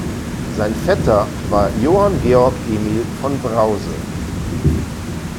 Sein Vetter war Johann Georg Emil von Brause.